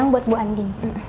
buat bu andi